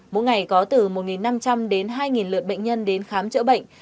mỗi ngày có từ một năm trăm linh đến hai lượt bệnh nhân đến khám chữa bệnh